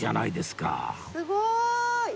すごい！